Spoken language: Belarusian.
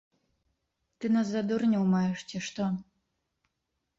Ты нас за дурняў маеш, ці што?